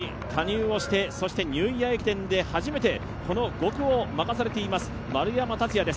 強いチームに加入してそしてニューイヤー駅伝で初めてこの５区を任されています丸山竜也です。